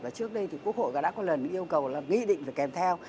và trước đây thì quốc hội đã có lần yêu cầu là nghị định phải kèm theo